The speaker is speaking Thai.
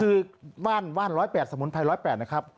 คือว่าน๑๐๘สมุนไพร๑๐๘นะครับ